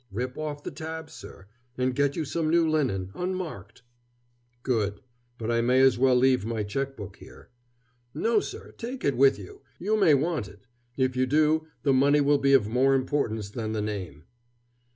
"Rip off the tabs, sir, and get you some new linen, unmarked." "Good. But I may as well leave my checkbook here." "No, sir, take it with you. You may want it. If you do, the money will be of more importance than the name."